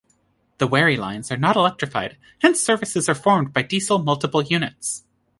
The Wherry Lines are not electrified, hence services are formed by diesel multiple units.